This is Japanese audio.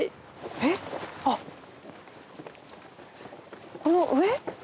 えっあっこの上？